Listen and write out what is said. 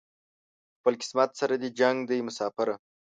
خپل قسمت سره دې جنګ دی مساپره